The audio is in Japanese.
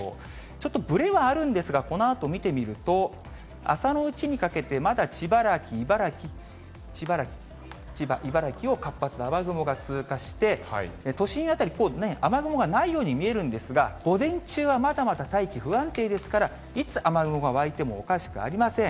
ちょっとぶれはあるんですが、このあと見てみると、朝のうちにかけて、まだちばらき、茨城、千葉、茨城を活発な雨雲が通過して、都心辺り、雨雲がないように見えるんですが、午前中はまだまだ大気、不安定ですから、いつ雨雲が湧いてもおかしくありません。